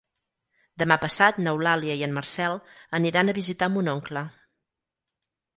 Demà passat n'Eulàlia i en Marcel aniran a visitar mon oncle.